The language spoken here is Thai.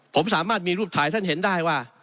ผมสามารถมีรูปถ่ายท่านเห็นได้ว่า